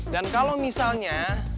dan kalau misalnya